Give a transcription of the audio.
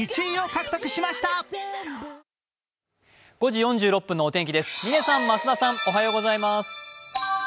５時４６分のお天気です。